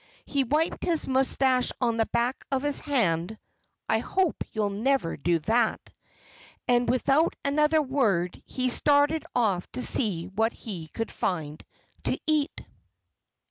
He wiped his moustache on the back of his hand (I hope you'll never do that!) and without another word he started off to see what he could find to eat.